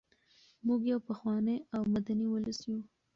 موږ یو پخوانی او مدني ولس یو.